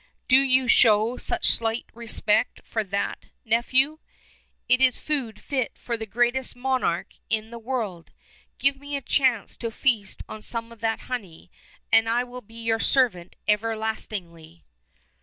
Do you show such slight respect for that, nephew? It is food fit for the greatest monarch in the world. Give me a chance to feast on some of that honey, and I will be your servant everlastingly."